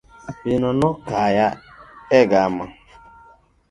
Pino nokaya e gama.